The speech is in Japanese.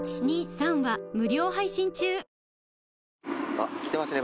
あっ来てますね